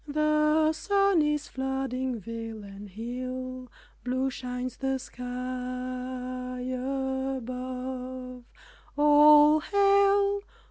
The sun is flooding vale and hill, Blue shines the sky above, "All Hail!"